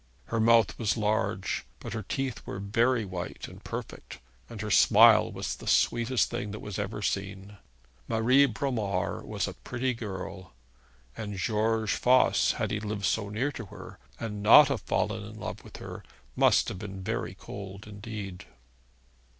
Her mouth was large, but her teeth were very white and perfect, and her smile was the sweetest thing that ever was seen. Marie Bromar was a pretty girl, and George Voss, had he lived so near to her and not have fallen in love with her, must have been cold indeed.